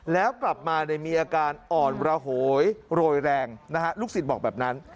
แล้วกลับมามีอาการอ่อนระโหยโรยแรงนะฮะลูกศิษย์บอกแบบนั้น